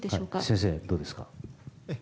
先生、どうですか？